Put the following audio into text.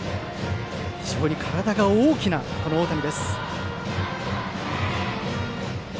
非常に体が大きな大谷です。